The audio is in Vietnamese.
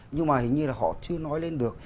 nhưng mà hình như họ chưa nói lên được